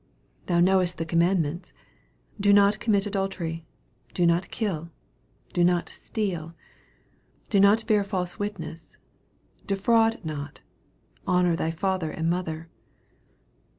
19 Thou knowest the command ments, Do not commit adultery, Do not kill, Do not steal, Do not bear false witness, Defraud not, Honor thy father and mother.